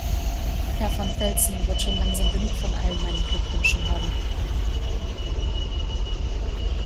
Herr von Velzen wird schon langsam genug von all meinen Glückwünschen haben.